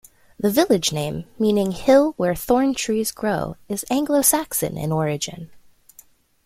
The village name, meaning "hill where thorn trees grow", is Anglo Saxon in origin.